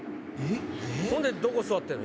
ほんでどこ座ってんの？